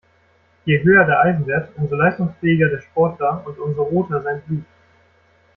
Je höher der Eisenwert, umso leistungsfähiger der Sportler und umso roter sein Blut.